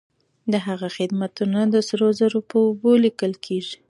د هغه خدمتونه د سرو زرو په اوبو ليکل کيږي.